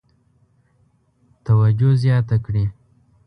توجه زیاته کړي.